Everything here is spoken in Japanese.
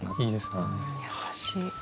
優しい。